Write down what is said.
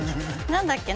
何だっけ？